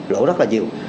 lỗ rất là nhiều